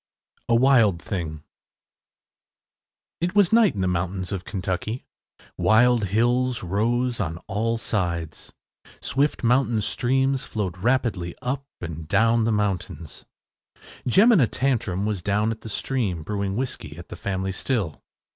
A WILD THING It was night in the mountains of Kentucky. Wild hills rose on all sides. Swift mountain streams flowed rapidly up and down the mountains. Jemina Tantrum was down at the stream, brewing whiskey at the family still.